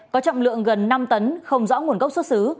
có trọng lượng gần năm tấn không rõ nguồn gốc xuất xứ